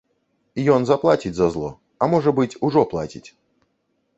Ён заплаціць за зло, а можа быць, ужо плаціць.